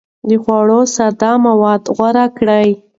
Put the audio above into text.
د خوړو ساده مواد غوره کړئ.